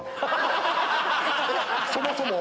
そもそも？